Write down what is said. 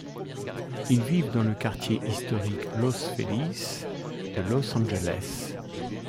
Ils vivent dans le quartier historique Los Feliz de Los Angeles.